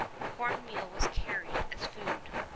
Corn meal was carried as food.